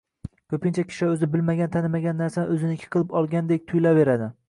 ko‘pincha kishilar o‘zi bilmagan-tanimagan narsani o‘ziniki qilib olgandek tuyulaveradi.